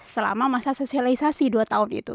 selama masa sosialisasi dua tahun itu